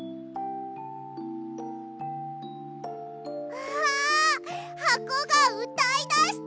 うわはこがうたいだした！